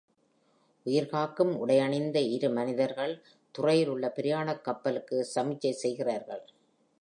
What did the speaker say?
உயிர்காக்கும் உடை அணிந்த இரு மனிதர்கள் துறையில் உள்ள பிரயாண கப்பலுக்கு சமிஞ்யை செய்கிறார்கள்.